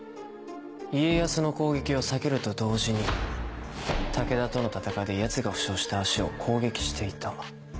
家康の攻撃を避けると同時に武田との戦いでヤツが負傷した足を攻撃していた。